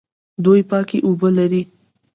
دوی پاکې اوبه لري.